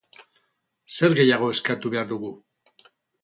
Zer gehiago eskatu behar dugu?